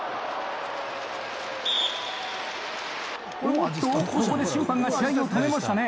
おっとここで審判が試合を止めましたね。